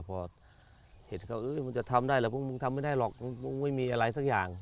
พอเห็นเขามันจะทำได้แหละพวกมึงทำไม่ได้หรอกมึงไม่มีอะไรสักอย่าง